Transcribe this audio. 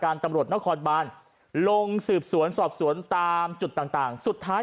ตำรวจนครบานลงสืบสวนสอบสวนตามจุดต่างต่างสุดท้าย